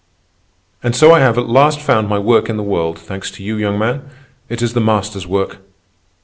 "And so I have at last found my work in the world, thanks to you, young man. It is the Master's work."